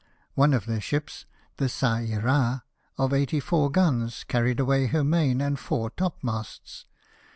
One of their ships, the Qa Ira of 84 guns, carried away her main and fore topmasts.